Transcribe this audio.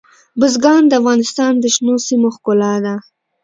بزګان د افغانستان د شنو سیمو ښکلا ده.